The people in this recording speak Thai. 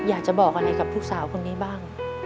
อยากจะบอกอะไรกับลูกสาวคนนี้บ้าง